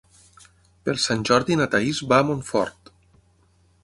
Per Sant Jordi na Thaís va a Montfort.